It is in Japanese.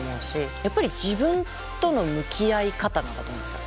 やっぱり自分との向き合い方なんだと思うんですよ。